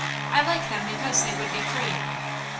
I like them because they would be free."